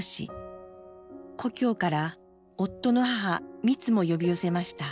故郷から夫の母ミツも呼び寄せました。